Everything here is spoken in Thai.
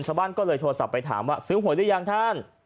ชาวบ้านก็เลยโทรศัพท์ไปถามว่าซื้อหวยหรือยังท่าน